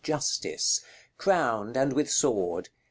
_ Justice. Crowned, and with sword.